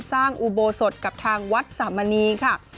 อุโบสถกับทางวัดสามณีค่ะ